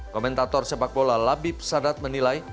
komentator sepak bola labib sadat menilai